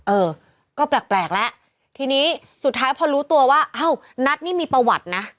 เออก็แปลกแล้วทีนี้สุดท้ายพอรู้ตัวว่าอ้าวนัทนี่มีประวัตินะ